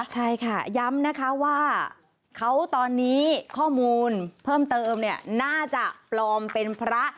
ใช่ค่ะย้ำนะคะว่าเขาตอนนี้ข้อมูลเพิ่มเติมเนี่ยน่าจะปลอมเป็นพระ